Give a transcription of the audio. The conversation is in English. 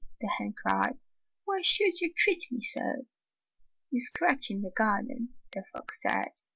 the hen cried. "Why should you treat me so?" "You scratch in the garden," the fox said.